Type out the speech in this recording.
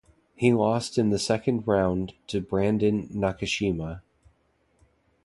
He lost in the second round to Brandon Nakashima.